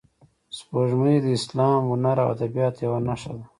سپوږمۍ د اسلام، هنر او ادبیاتو یوه نښه ده